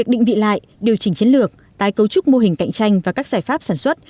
định vị lại điều chỉnh chiến lược tái cấu trúc mô hình cạnh tranh và các giải pháp sản xuất